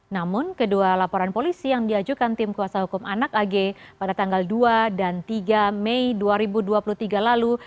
namun kedua laporan polisi yang diajukan tim kuasa hukum anak ag pada tanggal dua dan tiga mei dua ribu dua puluh tiga lalu